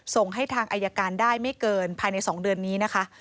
ส่งให้ทางอายการได้ไม่เกินภายใน๒เดือนนี้นะคะ